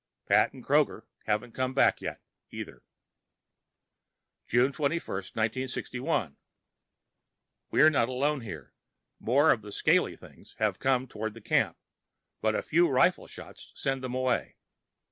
Pat and Kroger haven't come back yet, either. June 21, 1961 We're not alone here. More of the scaly things have come toward the camp, but a few rifle shots send them away.